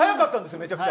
めちゃくちゃ。